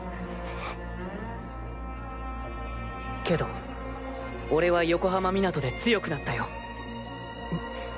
けど俺は横浜湊で強くなったよ。